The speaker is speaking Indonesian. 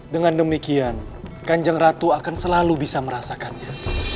dengan demikian kanjeng ratu akan selalu bisa merasakannya